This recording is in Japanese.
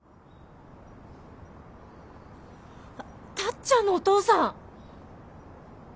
あタッちゃんのお父さん。